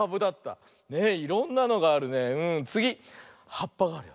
はっぱがあるよ。